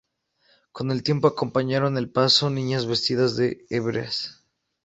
Con el tiempo acompañaron el paso niñas vestidas de hebreas.